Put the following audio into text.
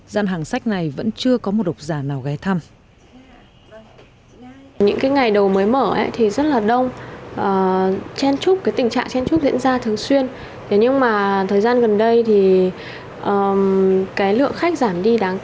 gian hàng sách này vẫn chưa có một độc giả nào ghé thăm